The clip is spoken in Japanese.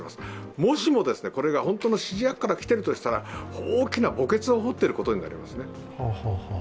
もしもこれが本当の指示役から来ているとしたら、大きな墓穴を掘っていることになります。